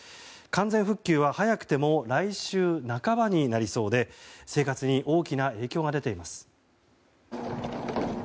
完全復旧は早くても来週半ばになりそうで生活に大きな影響が出ています。